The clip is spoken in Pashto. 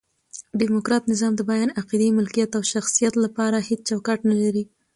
ډیموکرات نظام د بیان، عقیدې، ملکیت او شخصیت له پاره هيڅ چوکاټ نه لري.